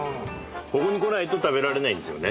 ここに来ないと食べられないんですよね？